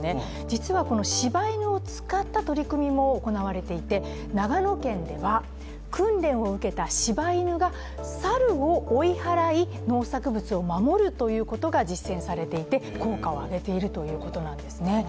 実はこの、しば犬を使った取り組みも行われていて、長野県では、訓練を受けたしば犬が猿を追い払い農作物を守るということが実践されていて効果を上げているということなんですね。